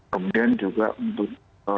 kemudian juga untuk